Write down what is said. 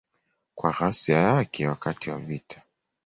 Kwa ghasia yake wakati wa vita.